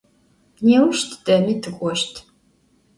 Nêuş tıdemi tık'oşt.